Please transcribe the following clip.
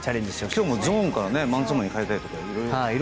今日もゾーンからマンツーマンに変えたり。